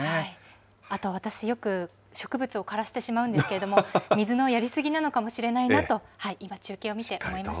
あと私、よく植物を枯らしてしまうんですけれども、水のやり過ぎなのかもしれないなと、今、中継を見て思いました。